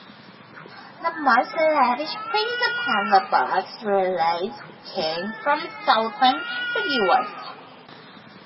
The most lavish praise upon the book's release came from southern reviewers.